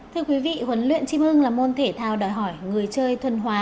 thưa quý vị huấn luyện chim hưng là môn thể thao đòi hỏi người chơi thuần hóa